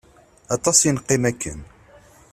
Aṭas i neqqim akken.